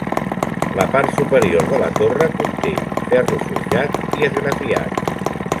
La part superior de la torre conté ferro forjat i esgrafiats.